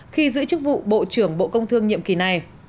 khi giữ chức vụ bộ trưởng bộ công thương nhiệm kỳ này